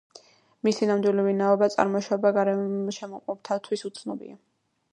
მისი ნამდვილი ვინაობა და წარმოშობა გარშემომყოფთათვის უცნობია.